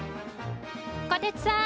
こてつさん